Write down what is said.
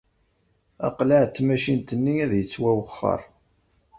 Aqlaɛ n tmacint-nni ad yettwawexxer.